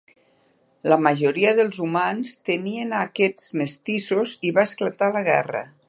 La majoria dels humans temien a aquests mestissos i va esclatar la guerra.